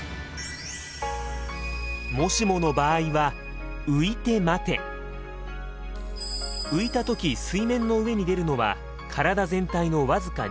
もしもの場合は浮いた時水面の上に出るのは体全体の僅か２％。